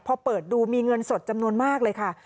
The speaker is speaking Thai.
พอเปิดดูมีเงินสดจำนวนมากเลยค่ะ